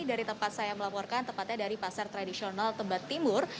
ferdi dari tempat saya melaporkan tempatnya dari pasar tradisional tempat timur